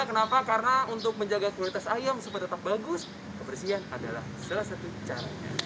kenapa karena untuk menjaga kualitas ayam supaya tetap bagus kebersihan adalah salah satu caranya